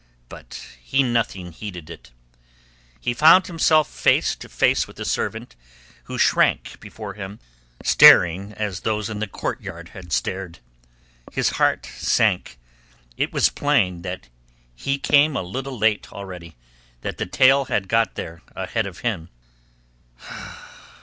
But he nothing heeded it. He found himself face to face with a servant, who shrank before him, staring as those in the courtyard had stared. His heart sank. It was plain that he came a little late already; that the tale had got there ahead of him.